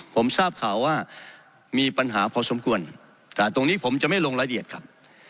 ผมทราบข่าวว่ามีปัญหาพอสมควรแต่ตรงนี้ผมจะไม่ลงรายละเอียดครับ